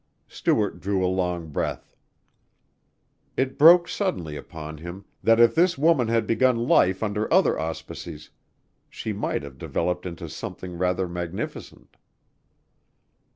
Stuart drew a long breath. It broke suddenly upon him that if this woman had begun life under other auspices she might have developed into something rather magnificent.